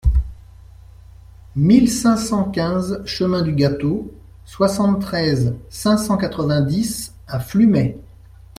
mille cinq cent quinze chemin du Gâteau, soixante-treize, cinq cent quatre-vingt-dix à Flumet